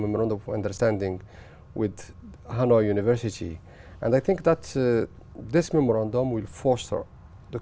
và tôi nghĩ rằng tên tự nhiên của hnu sẽ giúp đỡ tình hình cục giữa hnu và việt nam